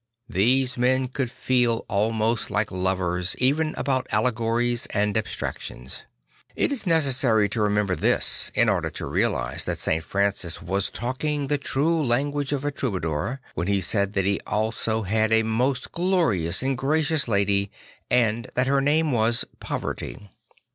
These men could feel almost like lovers, even about allegories and abstractions. It is necessary to remember this in order to realise that St. Francis was talking the true language of a troubadour when he said that he also had a most glorious and gracious lady and that her name was Poverty.